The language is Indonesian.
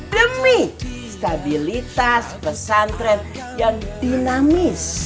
demi stabilitas pesantren yang dinamis